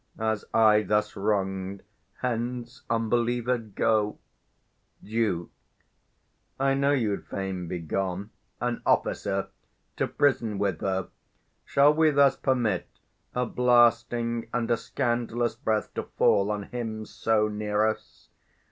As I, thus wrong'd, hence unbelieved go! Duke. I know you'ld fain be gone. An officer! 120 To prison with her! Shall we thus permit A blasting and a scandalous breath to fall On him so near us?